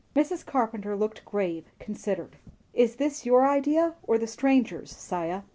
Mrs. Carpenter looked grave, considered. "Is this your idea, or the stranger's, 'Siah?"